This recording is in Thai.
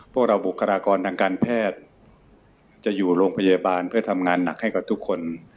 พวกเราบุคลากรทางการแพทย์จะอยู่โรงพยาบาลเพื่อทำงานหนักให้กับทุกคน